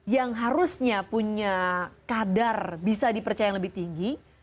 yang harusnya punya kadar bisa dipercaya yang lebih tinggi